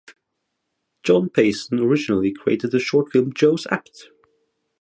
John Payson originally created the short film Joe's Apt.